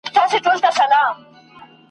له لېوه سره په پټه خوله روان سو !.